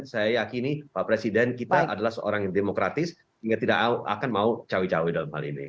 saya yakini pak presiden kita adalah seorang yang demokratis hingga tidak akan mau cawe cawe dalam hal ini